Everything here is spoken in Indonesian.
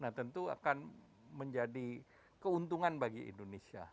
nah tentu akan menjadi keuntungan bagi indonesia